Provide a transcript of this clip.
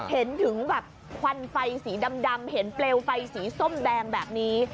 เห็นถึงแบบควันไฟสีดำเห็นเปลวไฟสีส้มแดงแบบนี้